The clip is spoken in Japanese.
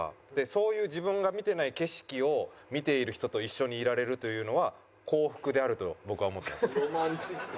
そういう自分が見てない景色を見ている人と一緒にいられるというのは幸福であると僕は思ってます。